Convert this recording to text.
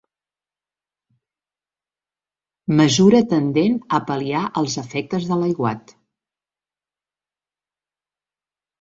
Mesura tendent a pal·liar els efectes de l'aiguat.